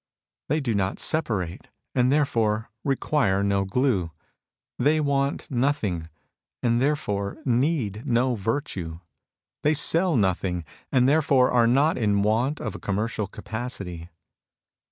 They do not separate, and therefore require no glue. They want nothing, and therefore need no virtue. They sell nothing, and therefore are not in want of a commercial capacity.